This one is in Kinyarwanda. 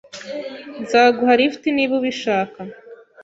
Nzaguha lift niba ubishaka.